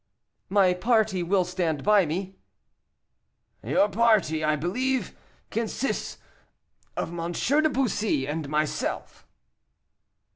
"My party will stand by me." "Your party, I believe, consists of M. de Bussy and myself."